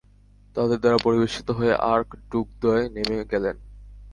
তাদের দ্বারা পরিবেষ্টিত হয়ে আর্ক-ড্যুকদ্বয় নেমে গেলেন।